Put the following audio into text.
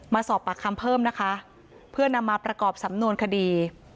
มาสอบปากคำเพิ่มนะคะเพื่อนำมาประกอบสำนวนคดี